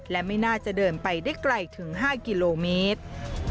และไม่น่าจะเดินไปได้ไกลถึง๕กิโลเมตร